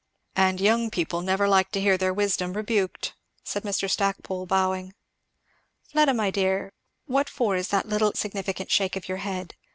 "And young people never like to hear their wisdom rebuked," said Mr Stackpole bowing. "Fleda, my dear, what for is that little significant shake of your head?"